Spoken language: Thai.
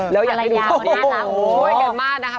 แล้วอยากให้ดูโอ้โฮโอ้โฮโอ้ยกันมากนะคะ